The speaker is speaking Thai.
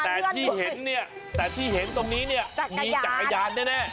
แต่ที่เห็นเนี้ยแต่ที่เห็นตรงนี้เนี้ยจักรยานมีจักรยานแน่แน่